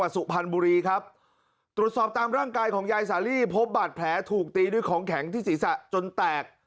สุพรรณบุรีครับตรวจสอบตามร่างกายของยายสาลีพบบาดแผลถูกตีด้วยของแข็งที่ศีรษะจนแตก